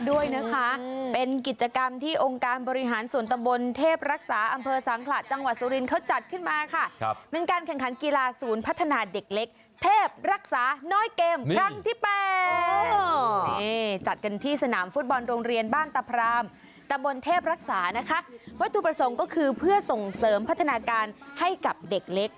ด้วยนะคะเป็นกิจกรรมที่องค์การบริหารส่วนตำบลเทพรักษาอำเภอสังขระจังหวัดสุรินเขาจัดขึ้นมาค่ะครับเป็นการแข่งขันกีฬาศูนย์พัฒนาเด็กเล็กเทพรักษาน้อยเกมครั้งที่แปดนี่จัดกันที่สนามฟุตบอลโรงเรียนบ้านตะพรามตะบนเทพรักษานะคะวัตถุประสงค์ก็คือเพื่อส่งเสริมพัฒนาการให้กับเด็กเล็ก